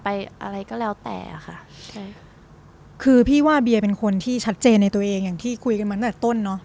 อะไรก็แล้วแต่อ่ะค่ะใช่คือพี่ว่าเบียเป็นคนที่ชัดเจนในตัวเองอย่างที่คุยกันมาตั้งแต่ต้นเนอะ